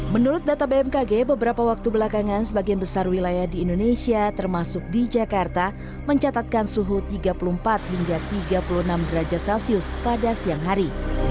menurut data bmkg beberapa waktu belakangan sebagian besar wilayah di indonesia termasuk di jakarta mencatatkan suhu tiga puluh empat hingga tiga puluh enam derajat celcius pada siang hari